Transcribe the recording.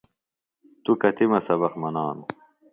توۡ کتِمہ سبق منانوۡ؟